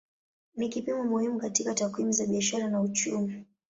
Ni kipimo muhimu katika takwimu za biashara na uchumi.